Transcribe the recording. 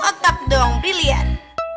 otak dong brilliant